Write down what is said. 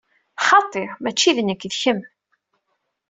Xaṭi, mačči d nekk, d kemm!